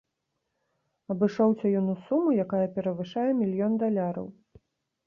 Абышоўся ён у суму, якае перавышае мільён даляраў.